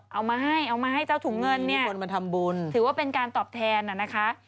เอามาให้เอามาให้เจ้าถุงเงินเนี่ยคนมาทำบุญถือว่าเป็นการตอบแทนนะคะ